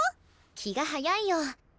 気が早いよ。